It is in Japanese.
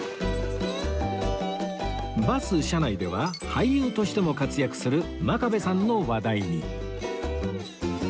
バス車内では俳優としても活躍する真壁さんの話題に